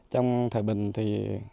trong thời bình thì